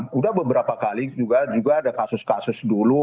sudah beberapa kali juga ada kasus kasus dulu